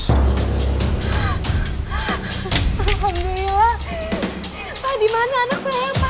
alhamdulillah pak dimana anak saya pak